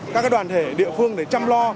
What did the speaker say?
các đoàn thể địa phương để chăm lo